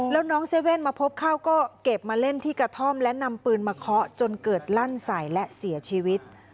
แล้วน้องเซเว่นมาพบเข้าก็เก็บมาเล่นที่กระท่อมและนำปืนมาเคาะจนเกิดลั่นใส่และเสียชีวิต